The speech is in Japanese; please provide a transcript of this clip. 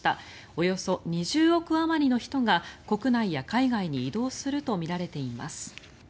およそ２０億あまりの人が国内や海外に移動するとみられています。